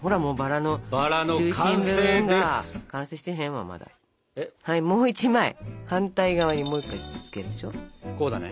はいもう１枚反対側にもう１回くっつけるでしょ。